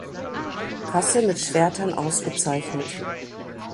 Kasse mit Schwertern ausgezeichnet.